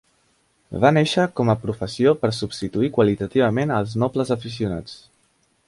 Va néixer com a professió per substituir qualitativament els nobles aficionats.